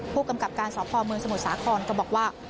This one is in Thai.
ผู้กำกับการสพเมืองสศฮก็บอกว่า